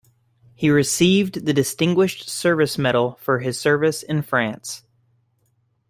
He received the Distinguished Service Medal for his service in France.